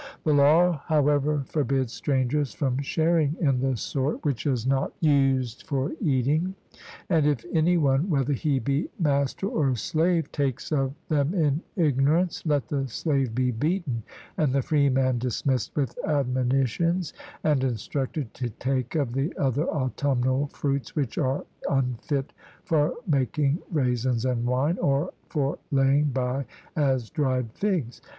The law however forbids strangers from sharing in the sort which is not used for eating; and if any one, whether he be master or slave, takes of them in ignorance, let the slave be beaten, and the freeman dismissed with admonitions, and instructed to take of the other autumnal fruits which are unfit for making raisins and wine, or for laying by as dried figs.